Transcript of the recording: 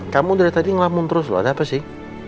kamu dari tadi ngelamun terus loh ada apa sih